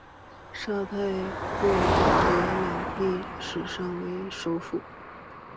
沙泰洛德朗历史上为的首府。